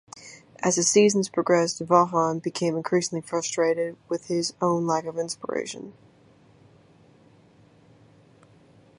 As the sessions progressed, Vaughan became increasingly frustrated with his own lack of inspiration.